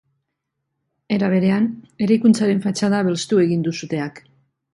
Era berean, eraikuntzaren fatxada belztu egin du suteak.